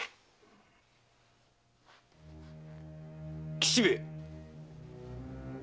吉兵衛！